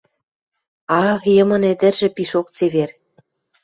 — Ах, Йымын ӹдӹржӹ пишок цевер!